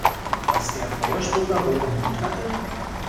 Was der Feuerspucker wohl im Mund hatte?